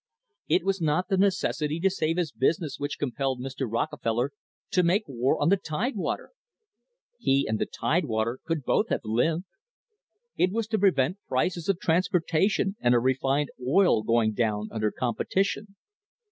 It was not the necessity to save his business which compelled Mr. Rockefeller to make war on the Tide water. He and the Tidewater could both have lived. It was to prevent prices of transportation and of refined oil going down under competition.